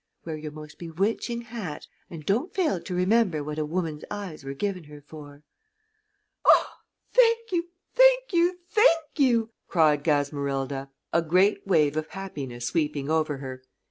Wear your most bewitching hat, and don't fail to remember what a woman's eyes were given her for." "Oh, thank you, thank you, thank you!" cried Gasmerilda, a great wave of happiness sweeping over her.